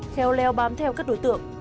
kheo leo bám theo các đối tượng